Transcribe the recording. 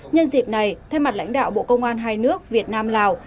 nhân dịp này thay mặt lãnh đạo bộ công an hai nước việt nam lào